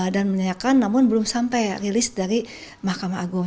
dan menyayangkan namun belum sampai rilis dari mahkamah agung